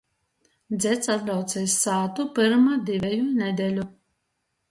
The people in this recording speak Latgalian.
Dzeds atbrauce iz sātu pyrma diveju nedeļu.